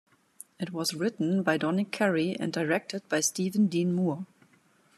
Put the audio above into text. It was written by Donick Cary and directed by Steven Dean Moore.